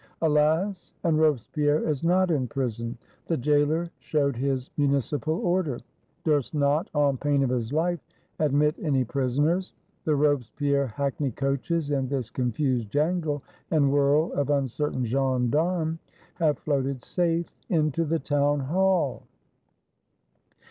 Alas, and Robespierre is not in Prison : the Gaoler showed his Municipal order, 337 FRANCE durst not, on pain of his life, admit any Prisoners; the Robespierre Hackney coaches, in this confused jangle and whirl of uncertain Gendarmes, have floated safe — into the Townhall